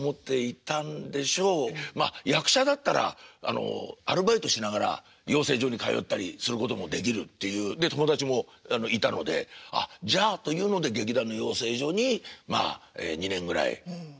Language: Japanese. まあ役者だったらアルバイトしながら養成所に通ったりすることもできるっていうで友達もいたのでああじゃあというので劇団の養成所にまあ２年ぐらい入って。